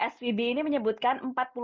svb ini menyebutkan